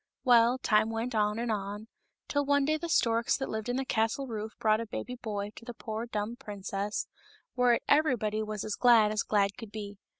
Well, time went on and on, till one day the storks that lived on the castle roof brought a baby boy to the poor dumb princess, whereat every body was as glad as glad could be.